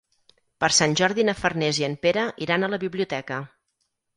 Per Sant Jordi na Farners i en Pere iran a la biblioteca.